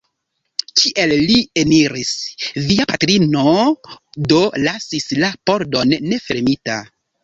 Kiel li eniris? Via patrino do lasis la pordon nefermita?